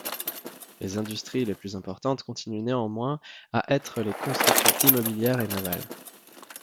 Les industries les plus importantes continuent néanmoins à être les constructions immobilière et navale.